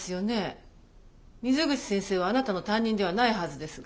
水口先生はあなたの担任ではないはずですが？